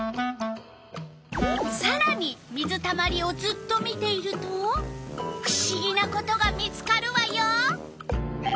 さらに水たまりをずっと見ているとふしぎなことが見つかるわよ！